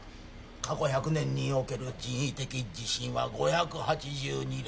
過去１００年における人為的地震は５８２例